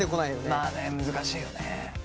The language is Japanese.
まあね難しいよね。